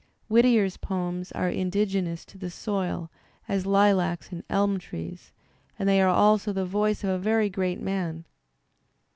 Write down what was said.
Whittier's poems are indigenous to the soil as lilacs and elm trees, and they are also the voice of a very great man.